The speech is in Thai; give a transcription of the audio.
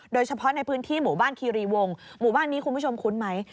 โดยเฉพาะในพื้นที่หมู่บ้านคีรีวงหมู่บ้านนี้คุณผู้ชมคุ้นไหม